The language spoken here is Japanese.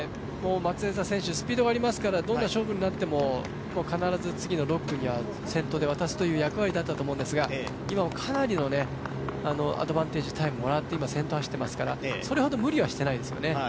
松枝選手、スピードがありますから、勝負になっても必ず次の６区には先頭で渡すという役割だったんですが今かなりのアドバンテージ、タイムをもらって先頭走ってますからそれほど無理はしていないですよね。